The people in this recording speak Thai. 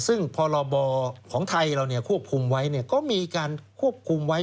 ซึ่งพอรบของไทยเราควบคุมไว้